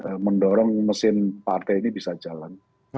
dan mendorong mesin partai ini bisa jalan